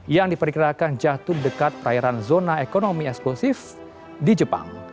yang diperkirakan jatuh dekat perairan zona ekonomi eksklusif di jepang